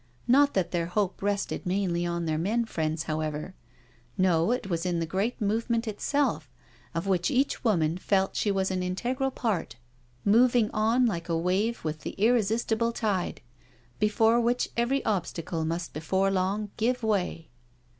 Not that their hope rested mainly on their men friends, however; no, it was in the great Movement itself, of which each woman felt she was an integral part, moving on like a wave with the irresistible tide, before which every obstacle must before long give way.